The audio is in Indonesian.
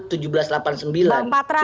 bang patra poinnya adalah bagaimana kemudian